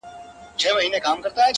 په لوی ښار کي یوه لویه وداني وه -